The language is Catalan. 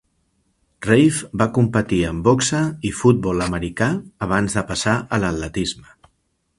Reiff va competir en boxa i futbol americà abans de passar a l'atletisme.